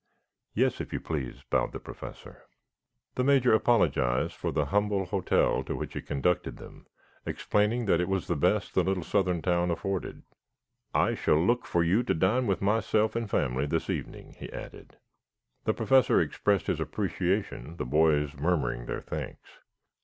"Yes, if you please," bowed the Professor. The Major apologized for the humble hotel to which he conducted them, explaining that it was the best the little southern town afforded. "I shall look for you to dine with myself and family this evening," he added. The Professor expressed his appreciation, the boys murmuring their thanks.